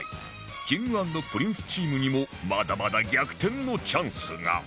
Ｋｉｎｇ＆Ｐｒｉｎｃｅ チームにもまだまだ逆転のチャンスが